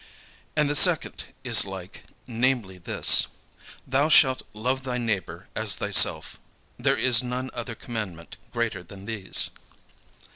"And the second is like, namely this, 'Thou shalt love thy neighbour as thyself.' There is none other commandment greater than these."